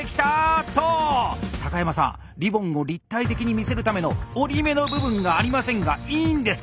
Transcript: っと山さんリボンを立体的に見せるための折り目の部分がありませんがいいんですか？